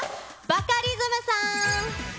バカリズムさん。